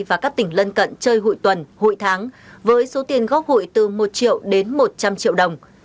và các tỉnh lân cận chơi hụi tuần hụi tháng với số tiền góp hụi từ một triệu đến một trăm linh triệu đồng